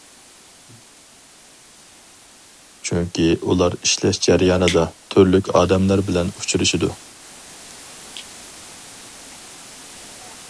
چۈنكى ئۇلار ئىشلەش جەريانىدا تۈرلۈك ئادەملەر بىلەن ئۇچرىشىدۇ.